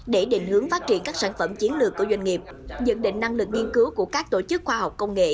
để định hướng phát triển các sản phẩm chiến lược của doanh nghiệp nhận định năng lực nghiên cứu của các tổ chức khoa học công nghệ